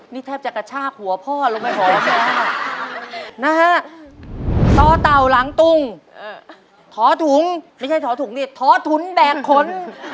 นี่แทบจะกระชากหัวพ่อลงไปห่อแล้วนะฮะต่อเต่าหลังตุงท้อถุงไม่ใช่ท้อถุงนี่ท้อถุนแบกขน